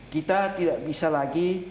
kita tidak bisa lagi